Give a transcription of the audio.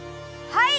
はい！